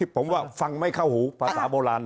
ผมว่าฟังไม่เข้าหูภาษาโบราณ